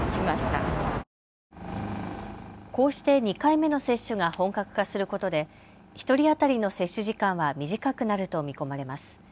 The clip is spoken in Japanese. こうして２回目の接種が本格化することで１人当たりの接種時間は短くなると見込まれます。